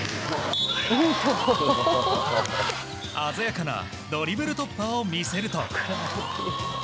鮮やかなドリブル突破を見せると。